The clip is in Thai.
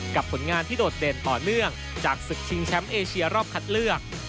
ผลงานที่โดดเด่นต่อเนื่องจากศึกชิงแชมป์เอเชียรอบคัดเลือก